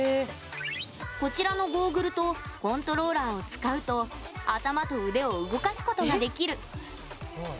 こちらのゴーグルとコントローラーを使うと頭と腕を動かすことができる。